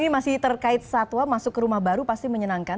ini masih terkait satwa masuk ke rumah baru pasti menyenangkan